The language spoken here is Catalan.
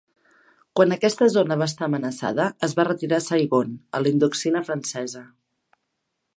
Quan aquesta zona va estar amenaçada, es va retirar a Saigon, a la Indoxina francesa.